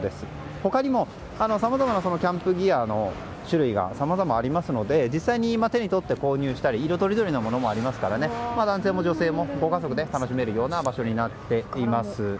他にもさまざまなキャンプギアの種類さまざま、ありますので実際に手に取って購入したり色とりどりのものもありますから男性も女性も、ご家族で楽しめるような場所になっています。